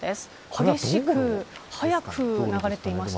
激しく速く流れていましたね。